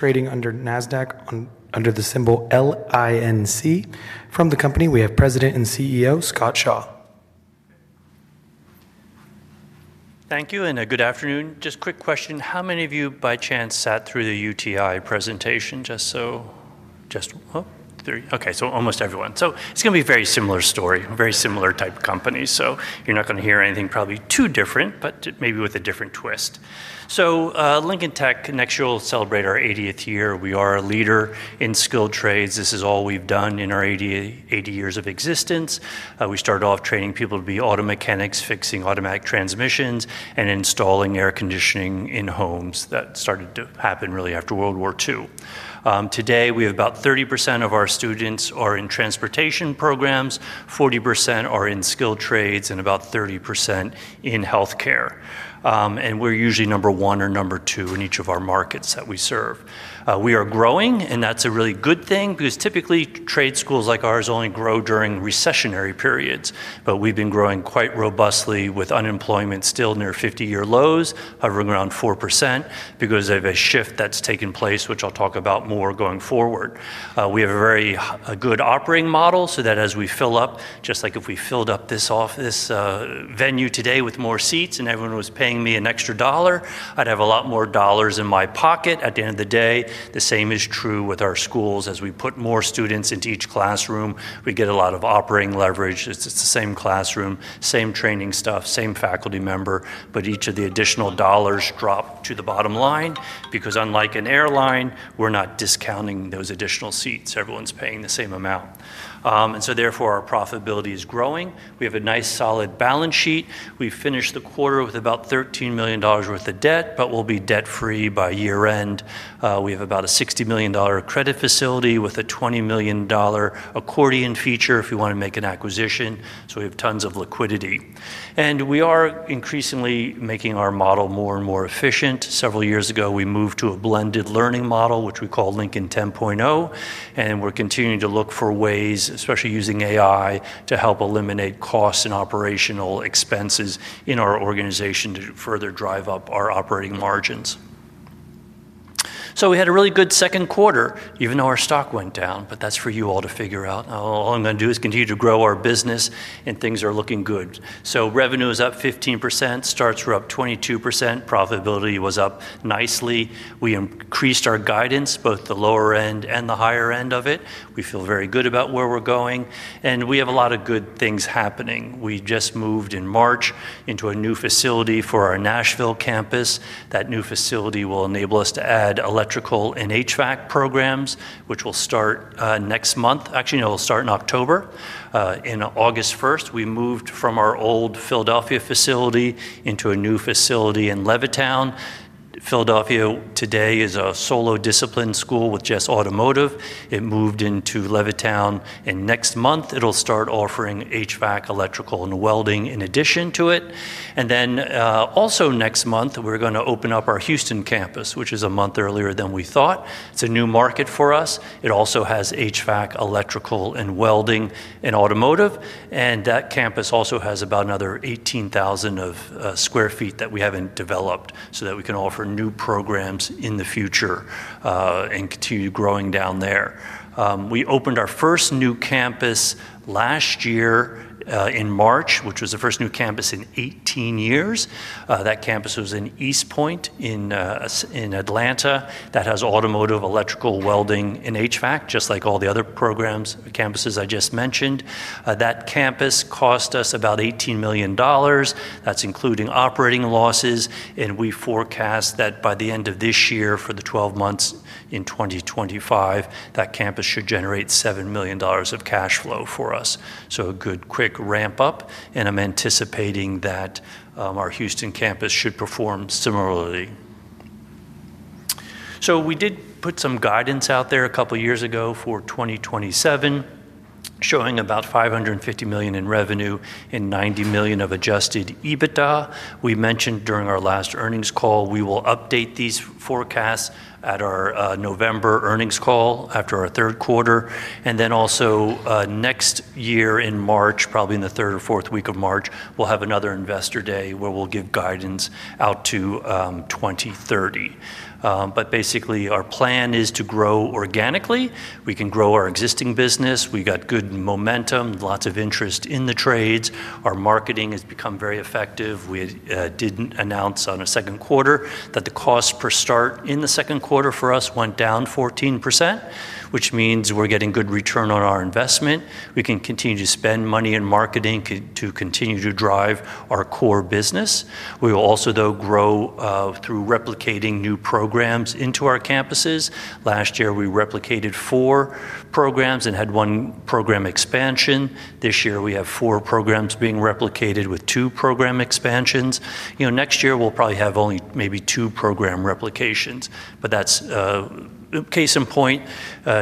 Trading under NASDAQ, under the symbol LINC. From the company, we have President and CEO, Scott Shaw. Thank you, and good afternoon. Just a quick question. How many of you, by chance, sat through the UTI presentation? Oh, three. Okay, so almost everyone. It is going to be a very similar story, very similar type of company. You are not going to hear anything probably too different, but maybe with a different twist. Lincoln Tech, next year we will celebrate our 80th year. We are a leader in skilled trades. This is all we have done in our 80 years of existence. We started off training people to be auto mechanics, fixing automatic transmissions, and installing air conditioning in homes. That started to happen really after World War II. Today we have about 30% of our students in Transportationprograms, 40% are in skilled trades, and about 30% in Healthcare. We are usually number one or number two in each of our markets that we serve. We are growing, and that is a really good thing because typically trade schools like ours only grow during recessionary periods. We have been growing quite robustly with unemployment still near 50-year lows, hovering around 4% because of a shift that has taken place, which I will talk about more going forward. We have a very good operating model so that as we fill up, just like if we filled up this office venue today with more seats and everyone was paying me an extra dollar, I would have a lot more dollars in my pocket at the end of the day. The same is true with our schools. As we put more students into each classroom, we get a lot of operating leverage. It is the same classroom, same training stuff, same faculty member, but each of the additional dollars drop to the bottom line because unlike an airline, we are not discounting those additional seats. Everyone is paying the same amount, and so therefore our profitability is growing. We have a nice solid balance sheet. We finished the quarter with about $13 million worth of debt, but we will be debt-free by year-end. We have about a $60 million credit facility with a $20 million accordion feature if we want to make an acquisition. We have tons of liquidity. We are increasingly making our model more and more efficient. Several years ago, we moved to a blended learning model, which we call Lincoln 10.0, and we are continuing to look for ways, especially using AI, to help eliminate costs and operational expenses in our organization to further drive up our operating margins. We had a really good second quarter, even though our stock went down, but that's for you all to figure out. All I'm going to do is continue to grow our business, and things are looking good. Revenue is up 15%, starts were up 22%, profitability was up nicely. We increased our guidance, both the lower end and the higher end of it. We feel very good about where we're going, and we have a lot of good things happening. We just moved in March into a new facility for our Nashville campus. That new facility will enable us to add electrical and HVAC programs, which will start next month. Actually, no, it'll start in October. On August 1st, we moved from our old Philadelphia facility into a new facility in Levittown. Philadelphia today is a solo discipline school with just automotive. It moved into Levittown, and next month it'll start offering HVAC, electrical, and welding in addition to it. Also, next month we're going to open up our Houston campus, which is a month earlier than we thought. It's a new market for us. It also has HVAC, electrical, and welding in automotive. That campus also has about another 18,000 sq ft that we haven't developed so that we can offer new programs in the future and continue growing down there. We opened our first new campus last year in March, which was the first new campus in 18 years. That campus was in East Point in Atlanta that has automotive, electrical, welding, and HVAC, just like all the other programs, campuses I just mentioned. That campus cost us about $18 million. That's including operating losses. We forecast that by the end of this year, for the 12 months in 2025, that campus should generate $7 million of cash flow for us. A good quick ramp up, and I'm anticipating that our Houston campus should perform similarly. We did put some guidance out there a couple of years ago for 2027, showing about $550 million in revenue and $90 million of adjusted EBITDA. We mentioned during our last earnings call, we will update these forecasts at our November earnings call after our third quarter. Also, next year in March, probably in the third or fourth week of March, we'll have another Investor Day where we'll give guidance out to 2030. Basically, our plan is to grow organically. We can grow our existing business. We got good momentum, lots of interest in the trades. Our marketing has become very effective. We didn't announce on the second quarter that the cost per start in the second quarter for us went down 14%, which means we're getting good return on our investment. We can continue to spend money in marketing to continue to drive our core business. We will also, though, grow through replicating new programs into our campuses. Last year, we replicated four programs and had one program expansion. This year, we have four programs being replicated with two program expansions. You know, next year we'll probably have only maybe two program replications, but that's case in point.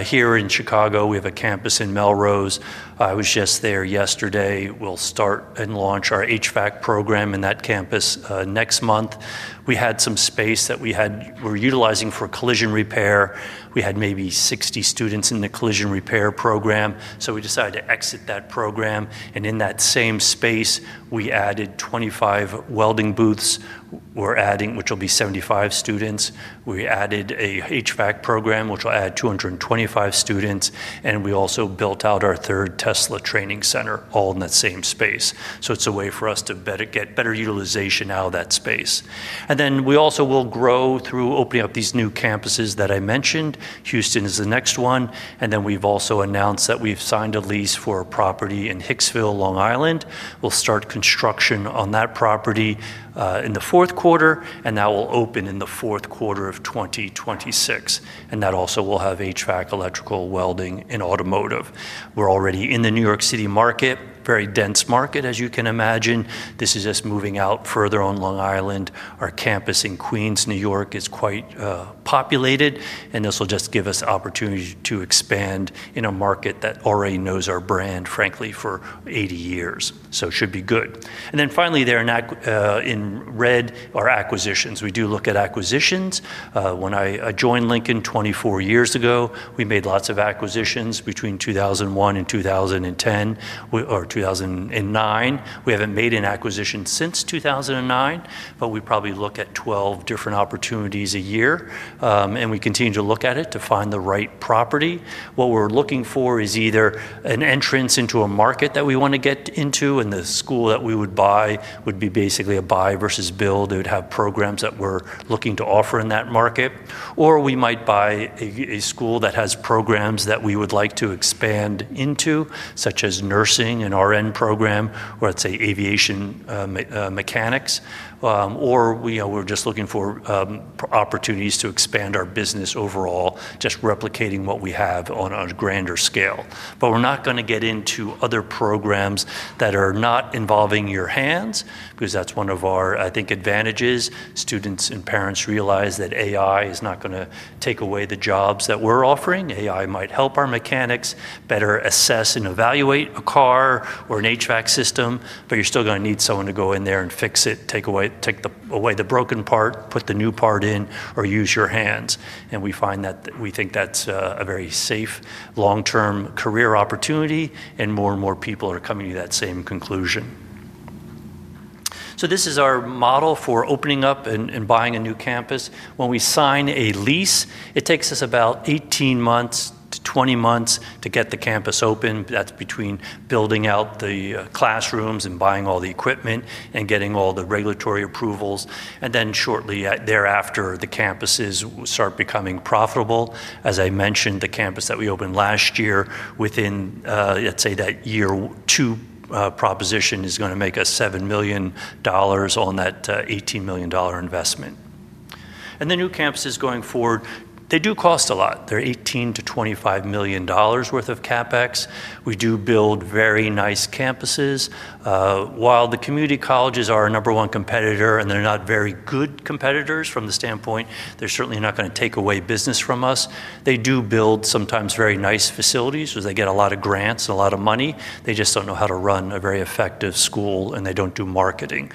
Here in Chicago, we have a campus in Melrose. I was just there yesterday. We'll start and launch our HVAC program in that campus next month. We had some space that we were utilizing for collision repair. We had maybe 60 students in the collision repair program. We decided to exit that program. In that same space, we added 25 welding booths, which will be 75 students. We added an HVAC program, which will add 225 students. We also built out our third Tesla training center, all in that same space. It's a way for us to get better utilization out of that space. We also will grow through opening up these new campuses that I mentioned. Houston is the next one. We've also announced that we've signed a lease for a property in Hicksville, Long Island. We'll start construction on that property in the fourth quarter, and that will open in the fourth quarter of 2026. That also will have HVAC, electrical, welding, and automotive. We're already in the New York City market, very dense market, as you can imagine. This is us moving out further on Long Island. Our campus in Queens, New York, is quite populated, and this will just give us opportunity to expand in a market that already knows our brand, frankly, for 80 years. It should be good. Finally, there in red, are acquisitions. We do look at acquisitions. When I joined Lincoln 24 years ago, we made lots of acquisitions between 2001 and 2010, or 2009. We haven't made an acquisition since 2009, but we probably look at 12 different opportunities a year. We continue to look at it to find the right property. What we're looking for is either an entrance into a market that we want to get into, and the school that we would buy would be basically a buy versus build. It would have programs that we're looking to offer in that market. We might buy a school that has programs that we would like to expand into, such as nursing and RN program, or let's say aviation, mechanics. We're just looking for opportunities to expand our business overall, just replicating what we have on a grander scale. We're not going to get into other programs that are not involving your hands, because that's one of our, I think, advantages. Students and parents realize that AI is not going to take away the jobs that we're offering. AI might help our mechanics better assess and evaluate a car or an HVAC system, but you're still going to need someone to go in there and fix it, take away the broken part, put the new part in, or use your hands. We find that we think that's a very safe, long-term career opportunity, and more and more people are coming to that same conclusion. This is our model for opening up and buying a new campus. When we sign a lease, it takes us about 18 months-20 months to get the campus open. That's between building out the classrooms and buying all the equipment and getting all the regulatory approvals. Shortly thereafter, the campuses start becoming profitable. As I mentioned, the campus that we opened last year within, let's say that year two proposition is going to make us $7 million on that $18 million investment. The new campuses going forward, they do cost a lot. They're $18 million-$25 million worth of CapEx. We do build very nice campuses. While the community colleges are our number one competitor and they're not very good competitors from the standpoint, they're certainly not going to take away business from us. They do build sometimes very nice facilities because they get a lot of grants and a lot of money. They just don't know how to run a very effective school and they don't do marketing.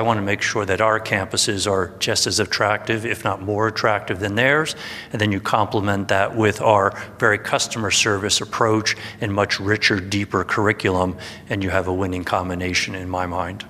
I want to make sure that our campuses are just as attractive, if not more attractive than theirs. You complement that with our very customer service approach and much richer, deeper curriculum, and you have a winning combination in my mind.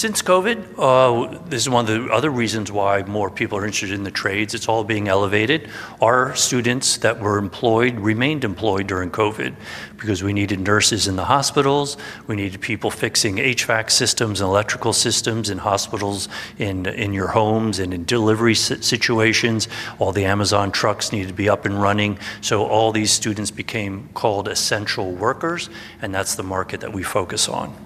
Since COVID, this is one of the other reasons why more people are interested in the trades. It's all being elevated. Our students that were employed remained employed during COVID because we needed nurses in the hospitals. We needed people fixing HVAC systems and electrical systems in hospitals, in your homes, and in delivery situations. All the Amazon trucks needed to be up and running. All these students became called essential workers, and that's the market that we focus on.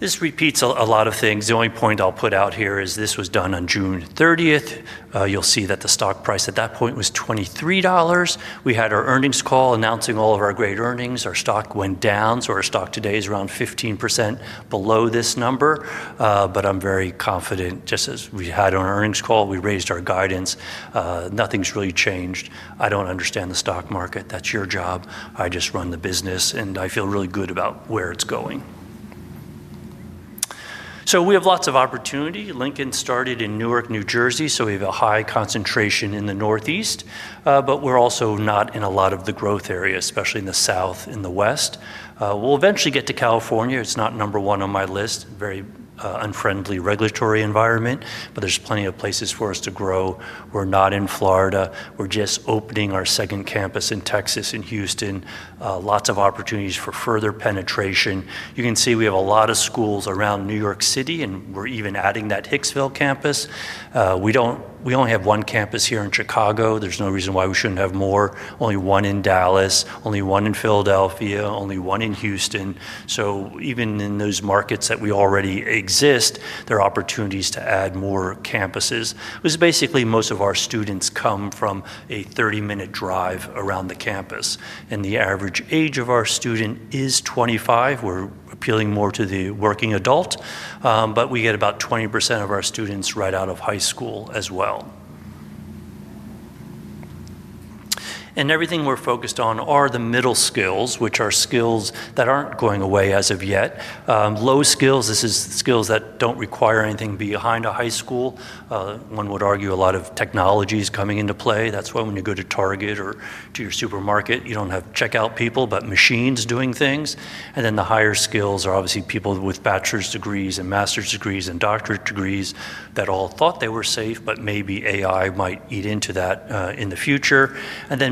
This repeats a lot of things. The only point I'll put out here is this was done on June 30th. You'll see that the stock price at that point was $23. We had our earnings call announcing all of our great earnings. Our stock went down. Our stock today is around 15% below this number. I'm very confident, just as we had an earnings call, we raised our guidance. Nothing's really changed. I don't understand the stock market. That's your job. I just run the business, and I feel really good about where it's going. We have lots of opportunity. Lincoln started in Newark, New Jersey, so we have a high concentration in the Northeast. We're also not in a lot of the growth areas, especially in the South and the West. We'll eventually get to California. It's not number one on my list. Very unfriendly regulatory environment, but there's plenty of places for us to grow. We're not in Florida. We're just opening our second campus in Texas, in Houston. Lots of opportunities for further penetration. You can see we have a lot of schools around New York City, and we're even adding that Hicksville campus. We only have one campus here in Chicago. There's no reason why we shouldn't have more. Only one in Dallas, only one in Philadelphia, only one in Houston. Even in those markets that we already exist, there are opportunities to add more campuses. Basically, most of our students come from a 30-minute drive around the campus, and the average age of our student is 25. We're appealing more to the working adult, but we get about 20% of our students right out of high school as well. Everything we're focused on are the middle skills, which are skills that aren't going away as of yet. Low skills are skills that don't require anything beyond a high school education. One would argue a lot of technology is coming into play. That's why when you go to Target or to your supermarket, you don't have checkout people, but machines doing things. The higher skills are obviously people with bachelor's degrees and master's degrees and doctorate degrees that all thought they were safe, but maybe AI might eat into that in the future.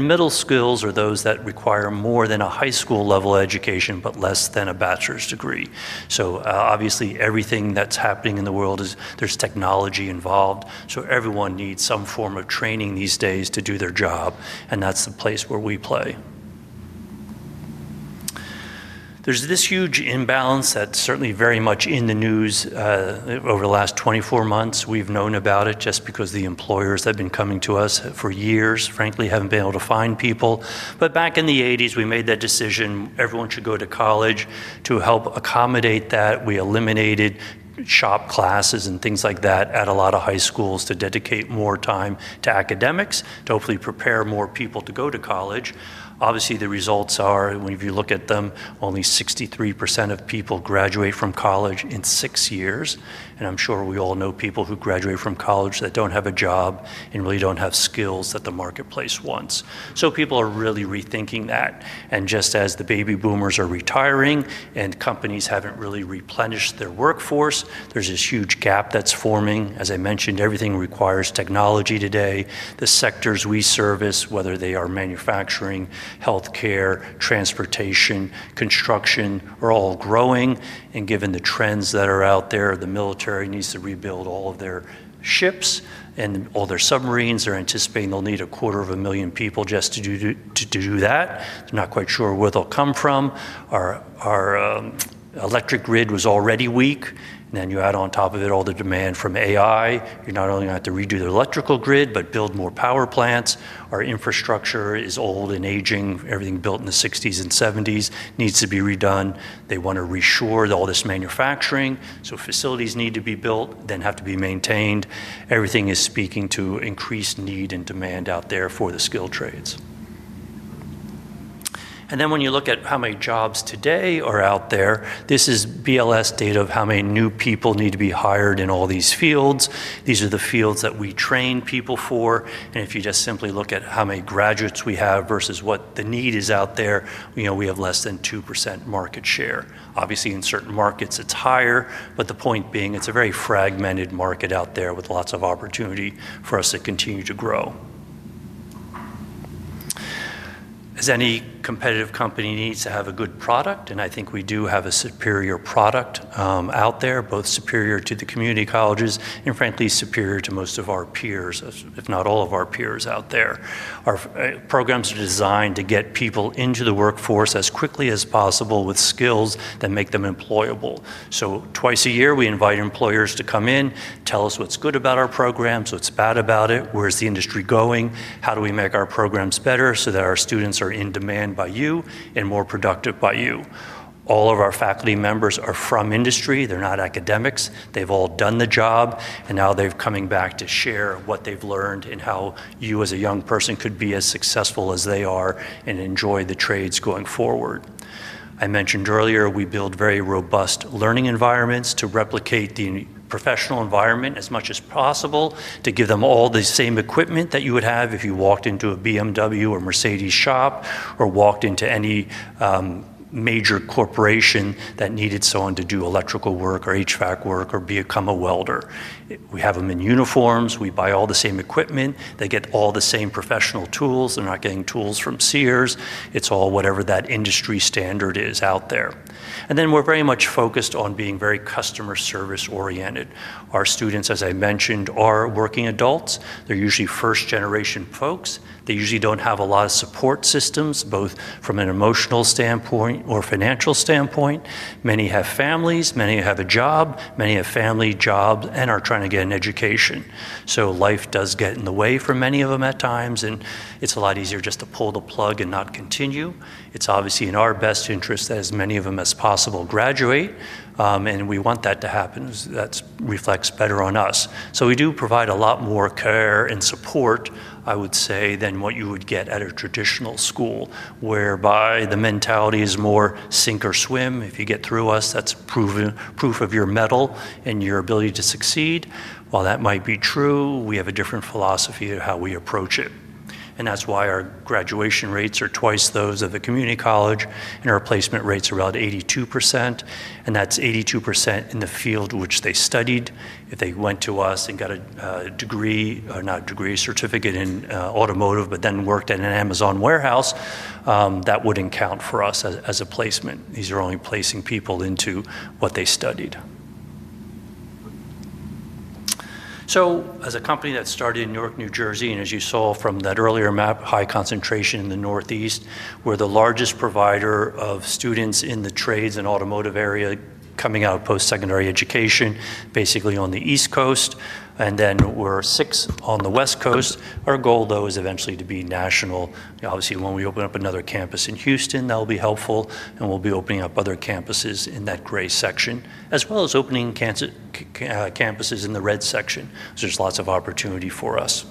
Middle skills are those that require more than a high school level education, but less than a bachelor's degree. Obviously, everything that's happening in the world is there's technology involved. Everyone needs some form of training these days to do their job. That's the place where we play. There's this huge imbalance that's certainly very much in the news over the last 24 months. We've known about it just because the employers have been coming to us for years, frankly, haven't been able to find people. Back in the 1980s, we made that decision everyone should go to college to help accommodate that. We eliminated shop classes and things like that at a lot of high schools to dedicate more time to academics, to hopefully prepare more people to go to college. Obviously, the results are, if you look at them, only 63% of people graduate from college in six years. I'm sure we all know people who graduate from college that don't have a job and really don't have skills that the marketplace wants. People are really rethinking that. Just as the baby boomers are retiring and companies haven't really replenished their workforce, there's this huge gap that's forming. As I mentioned, everything requires technology today. The sectors we service, whether they are manufacturing, healthcare, transportation, construction, are all growing. Given the trends that are out there, the military needs to rebuild all of their ships and all their submarines. They're anticipating they'll need a quarter of a million people just to do that. They're not quite sure where they'll come from. Our electric grid was already weak. Then you add on top of it all the demand from AI. You're not only going to have to redo the electrical grid, but build more power plants. Our infrastructure is old and aging. Everything built in the 1960s and 1970s needs to be redone. They want to reshore all this manufacturing. Facilities need to be built, then have to be maintained. Everything is speaking to increased need and demand out there for the skilled trades. When you look at how many jobs today are out there, this is BLS data of how many new people need to be hired in all these fields. These are the fields that we train people for. If you just simply look at how many graduates we have versus what the need is out there, we have less than 2% market share. Obviously, in certain markets, it's higher, but the point being it's a very fragmented market out there with lots of opportunity for us to continue to grow. As any competitive company needs to have a good product, and I think we do have a superior product out there, both superior to the community colleges and frankly superior to most of our peers, if not all of our peers out there. Our programs are designed to get people into the workforce as quickly as possible with skills that make them employable. Twice a year, we invite employers to come in, tell us what's good about our programs, what's bad about it, where's the industry going, how do we make our programs better so that our students are in demand by you and more productive by you. All of our faculty members are from industry. They're not academics. They've all done the job, and now they're coming back to share what they've learned and how you, as a young person, could be as successful as they are and enjoy the trades going forward. I mentioned earlier, we build very robust learning environments to replicate the professional environment as much as possible, to give them all the same equipment that you would have if you walked into a BMW or Mercedes shop or walked into any major corporation that needed someone to do electrical work or HVAC work or become a welder. We have them in uniforms. We buy all the same equipment. They get all the same professional tools. They're not getting tools from Sears. It's all whatever that industry standard is out there. We are very much focused on being very customer service oriented. Our students, as I mentioned, are working adults. They're usually first generation folks. They usually don't have a lot of support systems, both from an emotional standpoint or financial standpoint. Many have families, many have a job, many have family jobs and are trying to get an education. Life does get in the way for many of them at times, and it's a lot easier just to pull the plug and not continue. It's obviously in our best interest that as many of them as possible graduate, and we want that to happen. That reflects better on us. We do provide a lot more care and support, I would say, than what you would get at a traditional school, whereby the mentality is more sink or swim. If you get through us, that's proof of your mettle and your ability to succeed. While that might be true, we have a different philosophy of how we approach it. That's why our graduation rates are twice those of a community college, and our placement rates are about 82%. That's 82% in the field which they studied. If they went to us and got a degree, or not degree, certificate in automotive, but then worked in an Amazon warehouse, that wouldn't count for us as a placement. These are only placing people into what they studied. As a company that started in Newark, New Jersey, and as you saw from that earlier map, high concentration in the Northeast, we're the largest provider of students in the trades and automotive area coming out of post-secondary education, basically on the East Coast. We're sixth on the West Coast. Our goal, though, is eventually to be national. Obviously, when we open up another campus in Houston, that'll be helpful. We'll be opening up other campuses in that gray section, as well as opening campuses in the red section. There's lots of opportunity for us.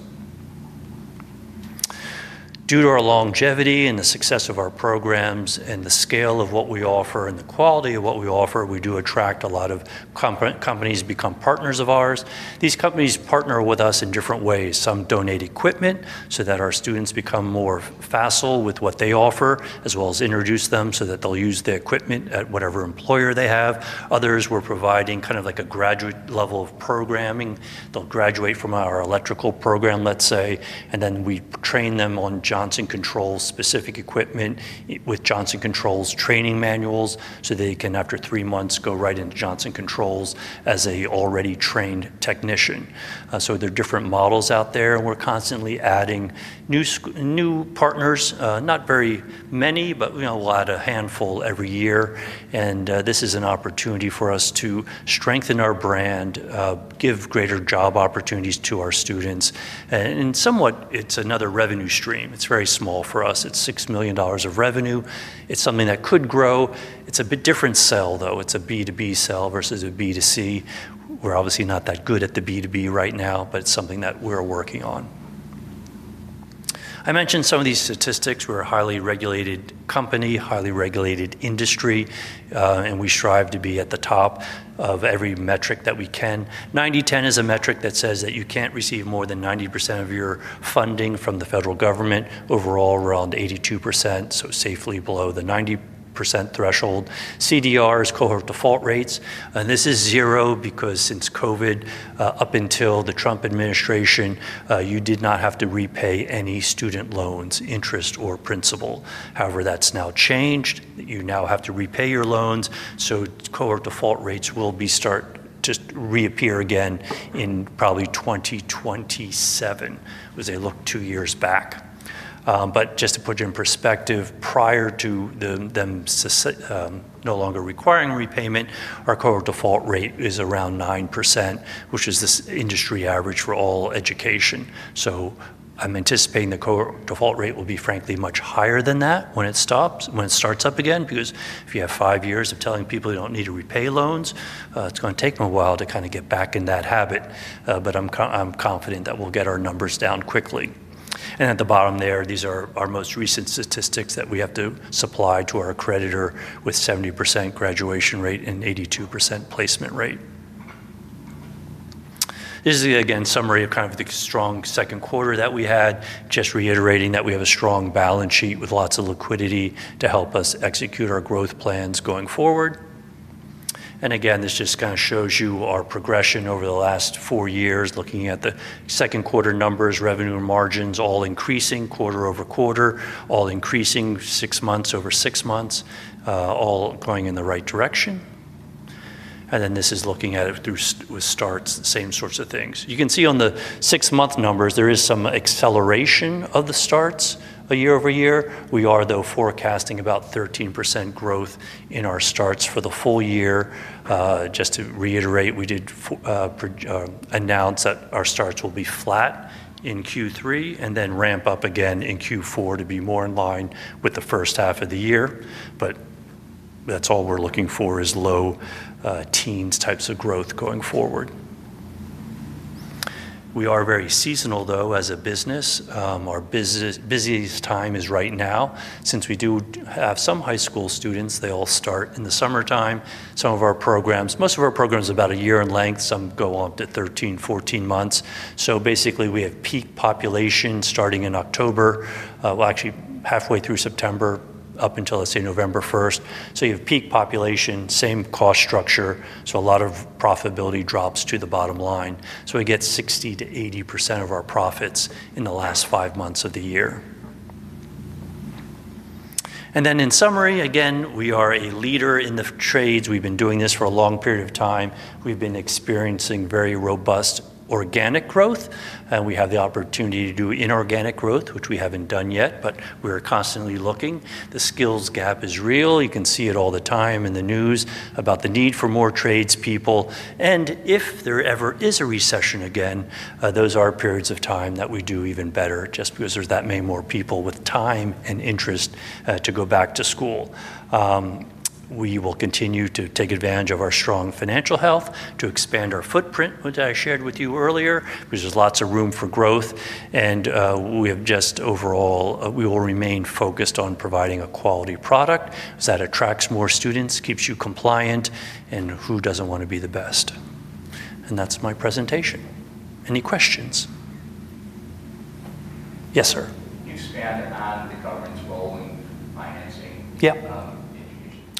Due to our longevity and the success of our programs and the scale of what we offer and the quality of what we offer, we do attract a lot of companies to become partners of ours. These companies partner with us in different ways. Some donate equipment so that our students become more facile with what they offer, as well as introduce them so that they'll use the equipment at whatever employer they have. Others, we're providing kind of like a graduate level of programming. They'll graduate from our electrical program, let's say, and then we train them on Johnson Controls specific equipment with Johnson Controls training manuals so they can, after three months, go right into Johnson Controls as an already trained technician. There are different models out there. We're constantly adding new partners, not very many, but we'll add a handful every year. This is an opportunity for us to strengthen our brand, give greater job opportunities to our students. Somewhat, it's another revenue stream. It's very small for us. It's $6 million of revenue. It's something that could grow. It's a bit different sell, though. It's a B2B sell versus a B2C. We're obviously not that good at the B2B right now, but it's something that we're working on. I mentioned some of these statistics. We're a highly regulated company, highly regulated industry, and we strive to be at the top of every metric that we can. 90/10 is a metric that says that you can't receive more than 90% of your funding from the federal government. Overall, around 82%, so safely below the 90% threshold. CDR is cohort default rates. This is zero because since COVID, up until the Trump administration, you did not have to repay any student loans, interest, or principal. However, that's now changed. You now have to repay your loans. Cohort default rates will start to reappear again in probably 2027, as they look two years back. Just to put you in perspective, prior to them no longer requiring repayment, our cohort default rate is around 9%, which is the industry average for all education. I'm anticipating the cohort default rate will be frankly much higher than that when it starts up again, because if you have five years of telling people you don't need to repay loans, it's going to take them a while to kind of get back in that habit. I'm confident that we'll get our numbers down quickly. At the bottom there, these are our most recent statistics that we have to supply to our creditor with a 70% graduation rate and 82% placement rate. This is, again, a summary of kind of the strong second quarter that we had, just reiterating that we have a strong balance sheet with lots of liquidity to help us execute our growth plans going forward. This just kind of shows you our progression over the last four years, looking at the second quarter numbers, revenue and margins all increasing quarter-over-quarter, all increasing six months over six months, all going in the right direction. This is looking at it through with starts, same sorts of things. You can see on the six month numbers, there is some acceleration of the starts year-over-year. We are, though, forecasting about 13% growth in our starts for the full year. Just to reiterate, we did announce that our starts will be flat in Q3 and then ramp up again in Q4 to be more in line with the first half of the year. That's all we're looking for is low teens types of growth going forward. We are very seasonal, though, as a business. Our busiest time is right now. Since we do have some high school students, they all start in the summertime. Some of our programs, most of our programs, are about a year in length. Some go up to 13, 14 months. Basically, we have peak population starting in October, actually, halfway through September, up until, let's say, November 1st. You have peak population, same cost structure, so a lot of profitability drops to the bottom line. We get 60%-80% of our profits in the last five months of the year. In summary, again, we are a leader in the trades. We've been doing this for a long period of time. We've been experiencing very robust organic growth. We have the opportunity to do inorganic growth, which we haven't done yet, but we're constantly looking. The skills gap is real. You can see it all the time in the news about the need for more tradespeople. If there ever is a recession again, those are periods of time that we do even better, just because there's that many more people with time and interest to go back to school. We will continue to take advantage of our strong financial health to expand our footprint, which I shared with you earlier, because there's lots of room for growth. Overall, we will remain focused on providing a quality product that attracts more students, keeps you compliant, and who doesn't want to be the best? That's my presentation. Any questions? Yes, sir. Yeah,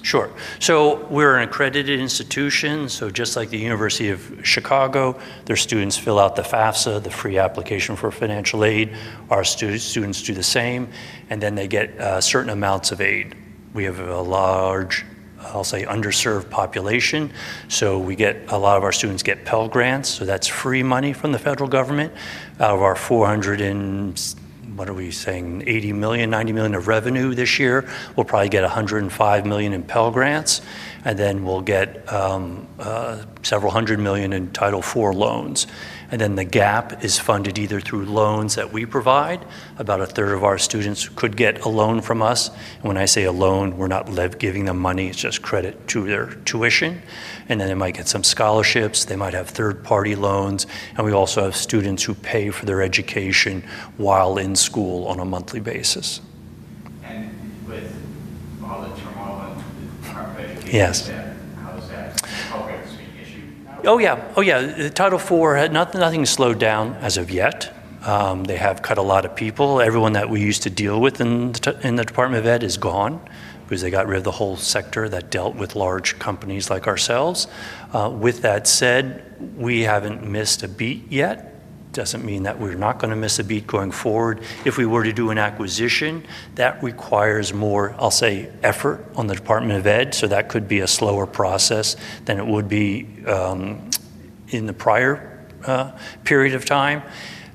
sure. We're an accredited institution. Just like the University of Chicago, their students fill out the FAFSA, the Free Application for Financial Aid. Our students do the same, and then they get certain amounts of aid. We have a large, I'll say, underserved population. We get a lot of our students get Pell Grants. That's free money from the federal government. Of our $480 million, $490 million of revenue this year, we'll probably get $105 million in Pell Grants. Then we'll get several hundred million in Title IV loans. The gap is funded either through loans that we provide. About a third of our students could get a loan from us. When I say a loan, we're not giving them money. It's just credit to their tuition. They might get some scholarships. They might have third-party loans. We also have students who pay for their education while in school on a monthly basis. Yes. Oh yeah. Oh yeah. The Title IV, nothing has slowed down as of yet. They have cut a lot of people. Everyone that we used to deal with in the Department of Ed is gone because they got rid of the whole sector that dealt with large companies like ourselves. With that said, we haven't missed a beat yet. Doesn't mean that we're not going to miss a beat going forward. If we were to do an acquisition, that requires more, I'll say, effort on the Department of Ed. That could be a slower process than it would be in the prior period of time.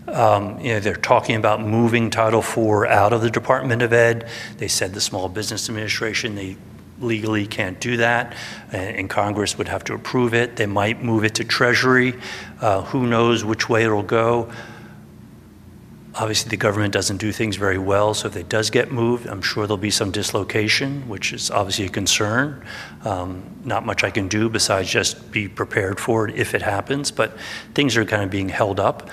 You know, they're talking about moving Title IV out of the Department of Ed. They said the Small Business Administration, they legally can't do that. Congress would have to approve it. They might move it to Treasury. Who knows which way it'll go. Obviously, the government doesn't do things very well. If it does get moved, I'm sure there'll be some dislocation, which is obviously a concern. Not much I can do besides just be prepared for it if it happens, but things are kind of being held up.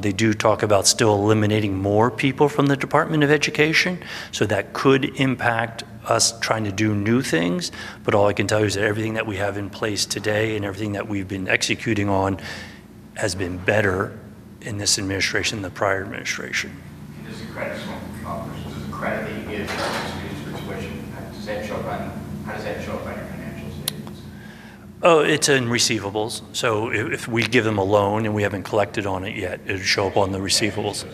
They do talk about still eliminating more people from the Department of Education. That could impact us trying to do new things. All I can tell you is that everything that we have in place today and everything that we've been executing on has been better in this administration than the prior administration. How much does the credit, equity, and finance piece of the situation have to set your bank? How does that show up in your financial statements? Oh, it's in receivables. If we give them a loan and we haven't collected on it yet, it would show up on the receivables.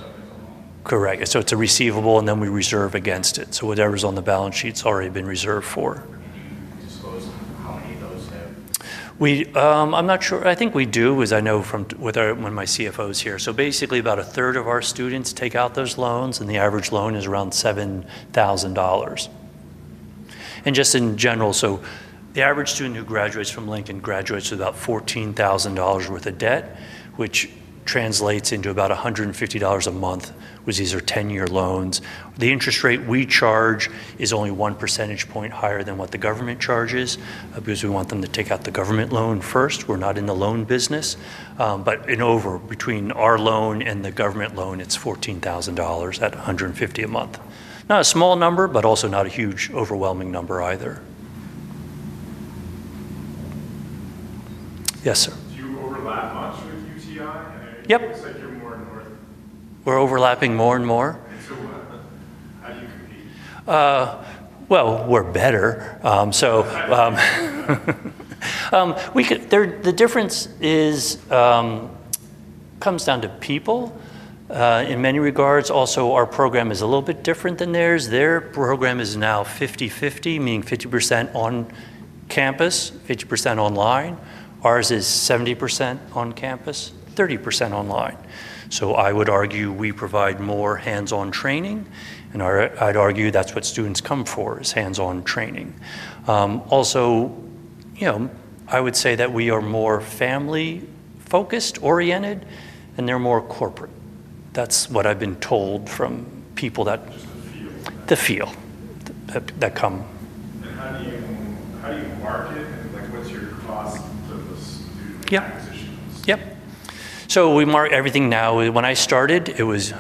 Correct. It's a receivable, and then we reserve against it. Whatever's on the balance sheet's already been reserved for. I'm not sure. I think we do, as I know from when my CFO is here. Basically, about a third of our students take out those loans, and the average loan is around $7,000. In general, the average student who graduates from Lincoln graduates with about $14,000 worth of debt, which translates into about $150 a month, which is their 10-year loans. The interest rate we charge is only one percentage point higher than what the government charges because we want them to take out the government loan first. We're not in the loan business, but between our loan and the government loan, it's $14,000 at $150 a month. Not a small number, but also not a huge overwhelming number either. Yes, sir. Do you overlap much with UTI? Yep. You said you're more north. We're overlapping more and more. We're better. The difference comes down to people, in many regards. Also, our program is a little bit different than theirs. Their program is now 50/50, meaning 50% on campus, 50% online. Ours is 70% on campus, 30% online. I would argue we provide more hands-on training, and I'd argue that's what students come for is hands-on training. Also, I would say that we are more family-focused oriented, and they're more corporate. That's what I've been told from people that feel that come. What's your cost? Yep. Yep. We mark everything now. When I started, it was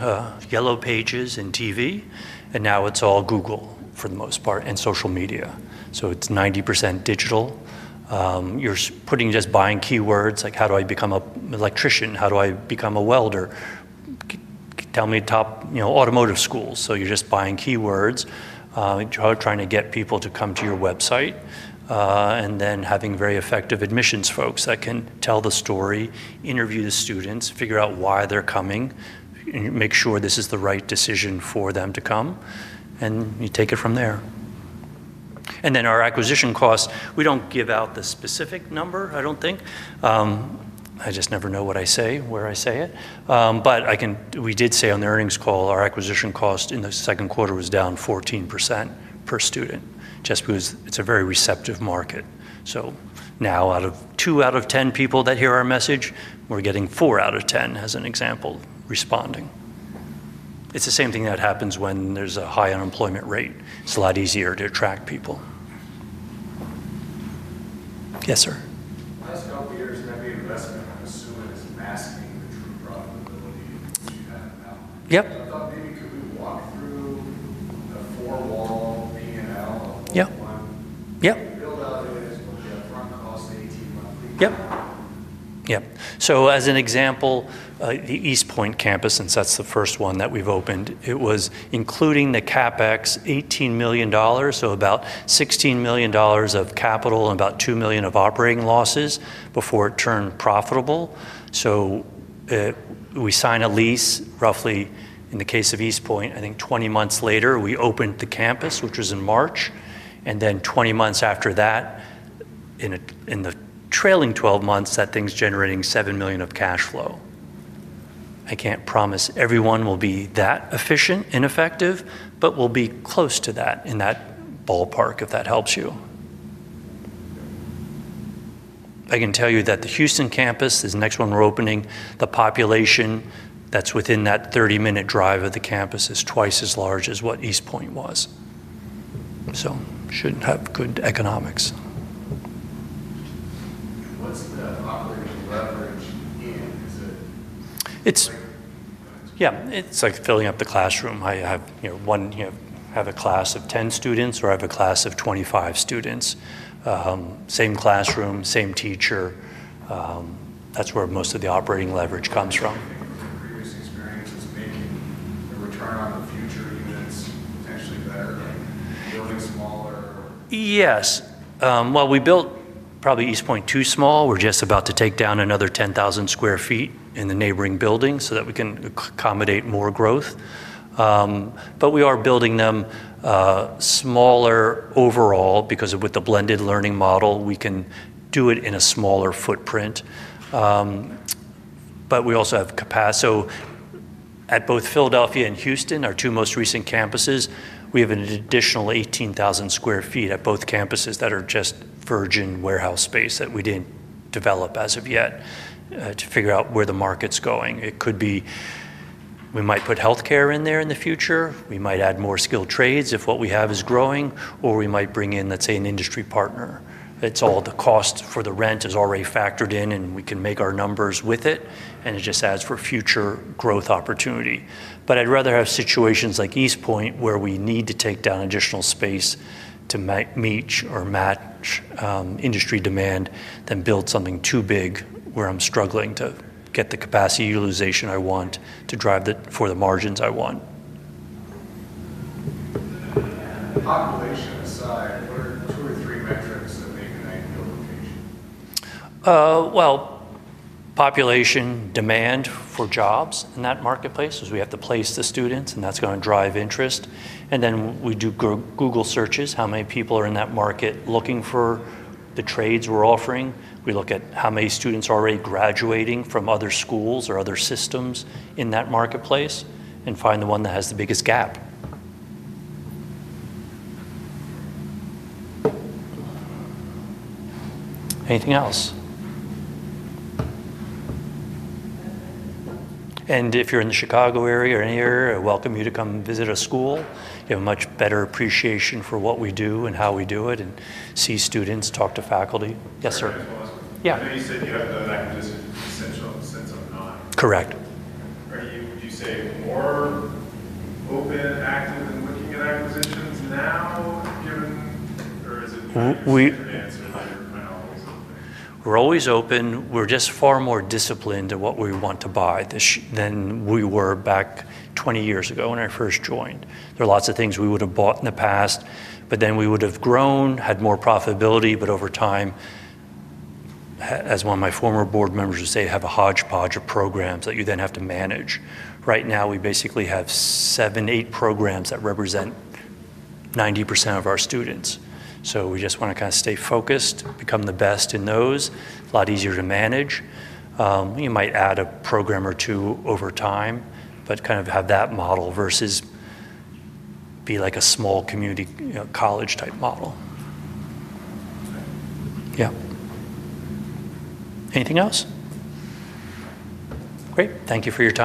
Yellow Pages and TV, and now it's all Google for the most part and social media. It's 90% digital. You're putting, just buying keywords like, how do I become an electrician? How do I become a welder? Tell me top, you know, automotive schools. You're just buying keywords, trying to get people to come to your website, and then having very effective admissions folks that can tell the story, interview the students, figure out why they're coming, and make sure this is the right decision for them to come, and you take it from there. Our acquisition cost, we don't give out the specific number, I don't think. I just never know what I say, where I say it. We did say on the earnings call, our acquisition cost in the second quarter was down 14% per student, just because it's a very receptive market. Now, out of two out of ten people that hear our message, we're getting four out of ten, as an example, responding. It's the same thing that happens when there's a high unemployment rate. It's a lot easier to attract people. Yes, sir. I was going to hear you say that, but you're messing up. I'm assuming this is asking me for the probability that you have now. Yep. I'm getting to the walkthrough, the formal talk, you know. Yep.Yep. As an example, the East Point campus, since that's the first one that we've opened, it was including the CapEx, $18 million, so about $16 million of capital and about $2 million of operating losses before it turned profitable. We sign a lease roughly, in the case of East Point, I think 20 months later, we opened the campus, which was in March. Then 20 months after that, in the trailing 12 months, that thing's generating $7 million of cash flow. I can't promise everyone will be that efficient and effective, but we'll be close to that in that ballpark, if that helps you. I can tell you that the Houston campus, this next one we're opening, the population that's within that 30-minute drive of the campus is twice as large as what East Point was. It shouldn't have good economics. What's the operating leverage you gain? Yeah, it's like filling up the classroom. I have a class of 10 students or have a class of 25 students. Same classroom, same teacher. That's where most of the operating leverage comes from. Your experience is making the return on the future because it's actually better than building smaller. Yes. We built probably East Point too small. We're just about to take down another 10,000 sq ft in the neighboring buildings so that we can accommodate more growth. We are building them smaller overall because with the blended learning model, we can do it in a smaller footprint. We also have capacity. At both Philadelphia and Houston, our two most recent campuses, we have an additional 18,000 sq ft at both campuses that are just virgin warehouse space that we didn't develop as of yet, to figure out where the market's going. It could be, we might put healthcare in there in the future. We might add more skilled trades if what we have is growing, or we might bring in, let's say, an industry partner. All the cost for the rent is already factored in, and we can make our numbers with it.It just adds for future growth opportunity. I'd rather have situations like East Point where we need to take down additional space to meet or match industry demand than build something too big where I'm struggling to get the capacity utilization I want to drive the margins I want. Population aside, what are two or three metrics? Population demand for jobs in that marketplace is we have to place the students, and that's going to drive interest. We do Google searches, how many people are in that market looking for the trades we're offering. We look at how many students are already graduating from other schools or other systems in that marketplace and find the one that has the biggest gap. Anything else? If you're in the Chicago area or any area, I welcome you to come visit a school. You have a much better appreciation for what we do and how we do it and see students, talk to faculty. Yes, sir. Yeah, you said essentials. Correct. You said more open and active than what you get out of the students now, given. We're always open. We're just far more disciplined at what we want to buy than we were back 20 years ago when I first joined. There are lots of things we would have bought in the past, but then we would have grown, had more profitability. Over time, as one of my former board members would say, have a hodgepodge of programs that you then have to manage. Right now, we basically have seven, eight programs that represent 90% of our students. We just want to kind of stay focused, become the best in those. It's a lot easier to manage. You might add a program or two over time, but kind of have that model versus be like a small community college type model. Anything else? Great. Thank you for your time.